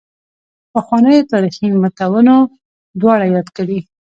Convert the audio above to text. پخوانیو تاریخي متونو دواړه یاد کړي.